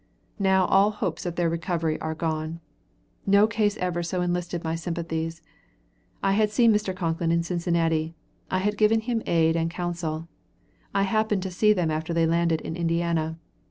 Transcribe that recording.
Now all hopes of their recovery are gone. No case ever so enlisted my sympathies. I had seen Mr. Concklin in Cincinnati. I had given him aid and counsel. I happened to see them after they landed in Indiana.